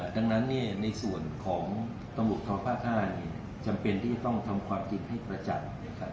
ดังนั้นในส่วนของตำรวจทรภาค๕จำเป็นที่จะต้องทำความจริงให้ประจักษ์